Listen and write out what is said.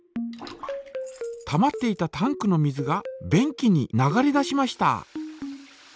たまっていたタンクの水が便器に流れ出しました。